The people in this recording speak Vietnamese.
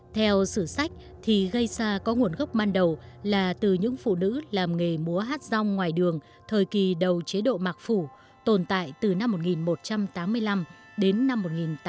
theo sử sách thì gây ra có nguồn gốc ban đầu là từ những phụ nữ làm nghề múa hát rong ngoài đường thời kỳ đầu chế độ mặc phủ tồn tại từ năm một nghìn một trăm tám mươi năm đến năm một nghìn tám trăm tám mươi